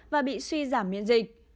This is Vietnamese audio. và bị suy giảm miễn dịch